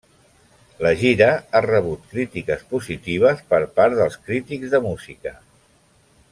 La gira ha rebut crítiques positives per part dels crítics de música.